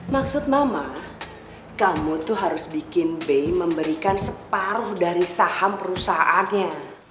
maksud mama kamu tuh harus bikin bay memberikan separuh dari saham perusahaannya